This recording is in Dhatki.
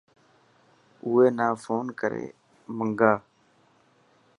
اوئي نا فون ڪري منگا.